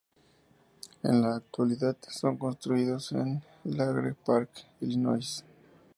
En la actualidad, son construidos en LaGrange Park, Illinois.